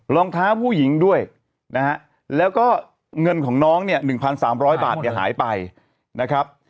รองเท้าผู้หญิงด้วยนะฮะแล้วก็เงินของน้องเนี่ย๑๓๐๐บาทเนี่ยหายไปนะครับ